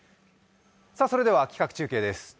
それでは企画中継です。